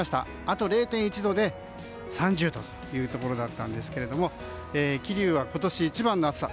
あと０．１で３０度というところだったんですけども桐生は今年一番の暑さ。